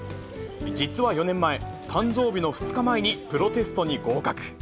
実は４年前、誕生日の２日前にプロテストに合格。